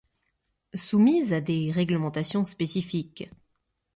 Soumise à des réglementations spécifiques.